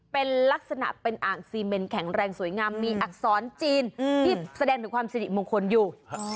เป็นลักษณะเป็นอ่างซีเมนแข็งแรงสวยงามมีอักษรจีนที่แสดงถึงความสิริมงคลอยู่